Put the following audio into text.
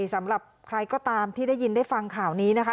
สำหรับใครก็ตามที่ได้ยินได้ฟังข่าวนี้นะคะ